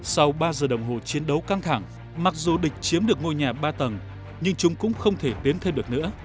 sau ba giờ đồng hồ chiến đấu căng thẳng mặc dù địch chiếm được ngôi nhà ba tầng nhưng chúng cũng không thể đến thêm được nữa